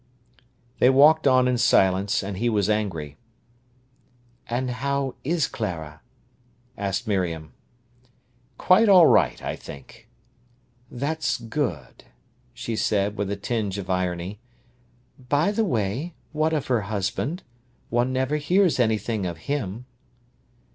They walked on in silence, and he was angry. "And how is Clara?" asked Miriam. "Quite all right, I think." "That's good!" she said, with a tinge of irony. "By the way, what of her husband? One never hears anything of him."